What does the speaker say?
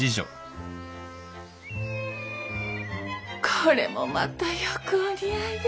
これもまたよくお似合いで！